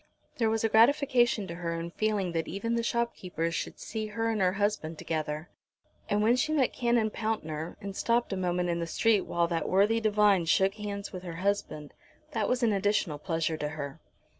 There was a gratification to her in feeling that even the shopkeepers should see her and her husband together. And when she met Canon Pountner and stopped a moment in the street while that worthy divine shook hands with her husband, that was an additional pleasure to her.